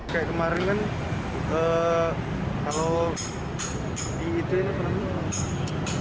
kayak kemarin kan kalau di itu ini apa namanya